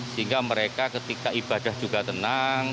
sehingga mereka ketika ibadah juga tenang